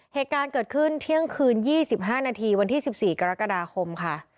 เหตุการณ์เกิดขึ้นเที่ยงคืน๒๕นาทีวันที่๑๔กรกฎาคมค่ะ